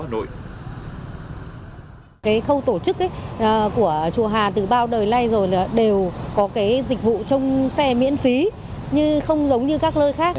tổ chức của chùa hà từ bao đời nay rồi đều có dịch vụ trong xe miễn phí không giống như các nơi khác